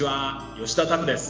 吉田拓です。